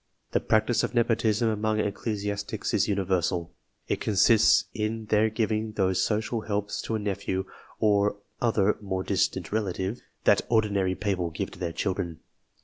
The practice of nepotism among ecclesiastics is universal: It consists in their giving those social helps to a nephew, or other more distant relative, that ordinary people give to their children.